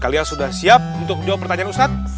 kalian sudah siap untuk menjawab pertanyaan ustadz